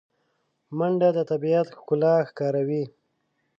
منډه د طبیعت ښکلا ښکاروي